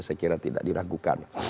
saya kira tidak diragukan